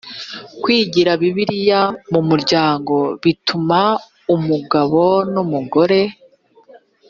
kwigira bibiliya mu muryango bituma umugabo n umugore